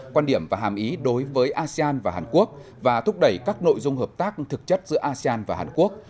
quan điểm và hàm ý đối với asean và hàn quốc và thúc đẩy các nội dung hợp tác thực chất giữa asean và hàn quốc